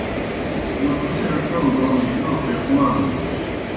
موں تُوْ سے ڇوں دونِجیْ لو پیخمَان نُس۔